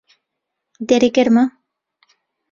دەرێ گەرمە؟